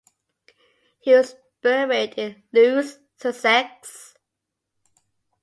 He was buried in Lewes, Sussex.